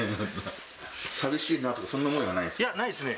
寂しいなとか、そんな思いはいや、ないですね。